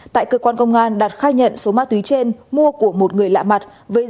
tại cơ quan công an đạt khai nhận số ma túy trên mua của một người lạ mặt